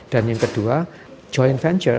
dan yang kedua joint venture